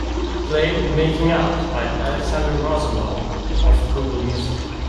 Play Making Out by Alexander Rosenbaum off Google Music.